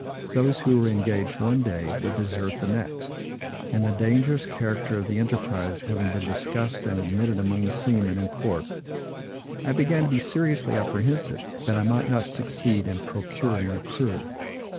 Those who were engaged one day would desert the next; and the dangerous character of the enterprise having been discussed and admitted among the seamen in port, I began to be seriously apprehensive, that I might not succeed in procuring a crew.